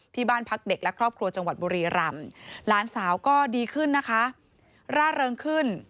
ที่บ้านพักเด็กและครอบครัวจังหวัดบุรีรำหลานสาวก็ดีขึ้นนะคะร่าเริงขึ้น